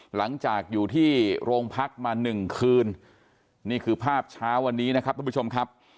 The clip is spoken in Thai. หลังจากอยู่ที่โรงพักมาหนึ่งคืนนี่คือภาพเช้าวันนี้นะครับทุกผู้ชมครับ